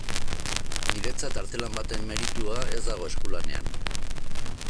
Niretzat artelan baten meritua ez dago eskulanean.